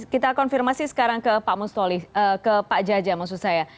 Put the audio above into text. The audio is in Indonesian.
kita konfirmasi sekarang ke pak jaja maksud saya